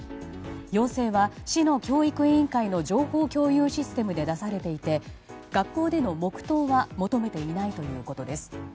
要請は市の教育委員会の情報共有システムで出されていて、学校での黙祷は求めていないということです。